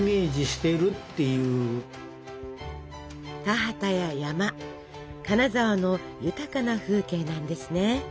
田畑や山金沢の豊かな風景なんですね。